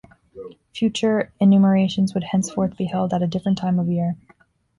Future enumerations would henceforth be held at a different time of year.